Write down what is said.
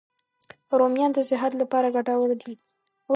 رومیان د صحت لپاره ګټور دي